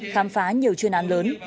khám phá nhiều chuyên án lớn